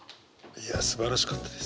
いやすばらしかったです。